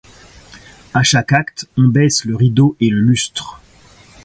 A chaque acte, on baisse le rideau et le lustre.